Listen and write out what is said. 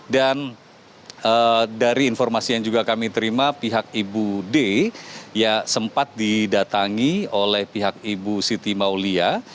dan dari informasi yang juga kami terima pihak ibu d sempat didatangi oleh pihak ibu siti maulia